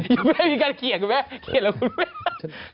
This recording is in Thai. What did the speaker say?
อยู่ไม่มีการเขียนเหรอแม่เขียนแล้วคุณแม่